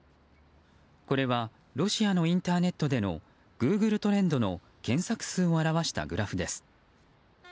これはロシアのインターネットでのグーグルトレンドの検索数を表したグラフです。